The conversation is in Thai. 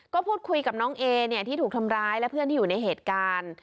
ก็พูดคุยกับน้องเอเนี่ยที่ถูกทำร้ายและเพื่อนที่อยู่ในเหตุการณ์